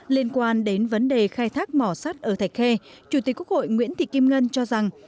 liên quan đến vấn đề khai thác mỏ sắt ở thạch khê chủ tịch quốc hội nguyễn thị kim ngân cho rằng